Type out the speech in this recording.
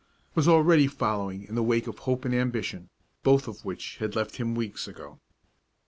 was already following in the wake of hope and ambition, both of which had left him weeks ago.